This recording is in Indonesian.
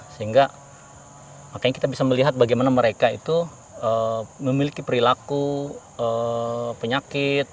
sehingga makanya kita bisa melihat bagaimana mereka itu memiliki perilaku penyakit